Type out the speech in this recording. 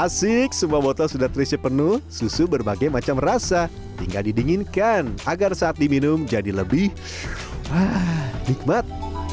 asik semua botol sudah terisi penuh susu berbagai macam rasa tinggal didinginkan agar saat diminum jadi lebih nikmat